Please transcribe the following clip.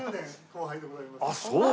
ああそう！